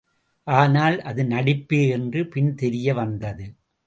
ஆனால், அது நடிப்பே என்று பின் தெரிய வந்தது.